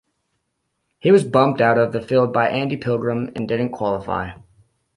He was bumped out of the field by Andy Pilgrim and didn't qualify.